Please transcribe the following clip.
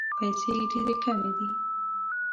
پیسې ډېري کمي دي.